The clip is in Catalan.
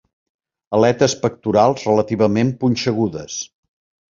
Aletes pectorals relativament punxegudes.